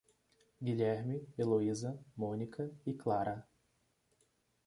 Guilherme, Eloísa, Mônica e Clara